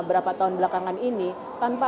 berapa tahun belakangan ini tanpa